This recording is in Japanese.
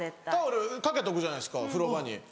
タオルかけとくじゃないですか風呂場に。